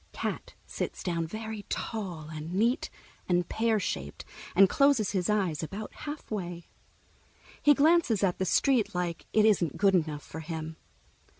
Cat sits down, very tall and neat and pear shaped, and closes his eyes about halfway. He glances at the street like it isn't good enough for him.